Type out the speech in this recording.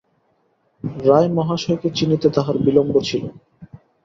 রায় মহাশয়কে চিনিতে তাহার বিলম্ব ছিল।